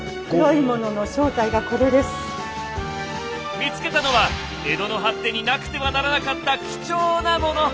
見つけたのは江戸の発展になくてはならなかった貴重なモノ！